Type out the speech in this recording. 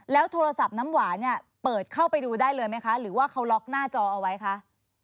โทรศัพท์น้ำหวานเนี่ยเปิดเข้าไปดูได้เลยไหมคะหรือว่าเขาล็อกหน้าจอเอาไว้คะ